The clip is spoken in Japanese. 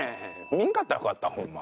見んかったらよかったホンマ